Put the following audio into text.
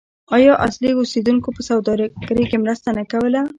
آیا اصلي اوسیدونکو په سوداګرۍ کې مرسته نه کوله؟